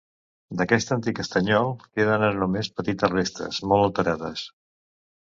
D'aquest antic estanyol queden ara només petites restes, molt alterades.